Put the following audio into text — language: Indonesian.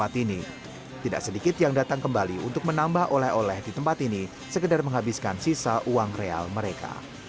tidak sedikit yang datang kembali untuk menambah oleh oleh di tempat ini sekedar menghabiskan sisa uang real mereka